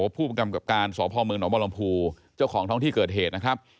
รูปกรรมกรรมการสภมหนมผู้เจ้าของท้องที่เกิดเหตุ